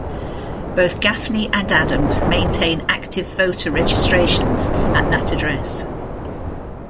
Both Gaffney and Adams maintain active voter registrations at that address.